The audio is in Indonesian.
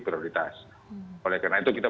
prioritas oleh karena itu kita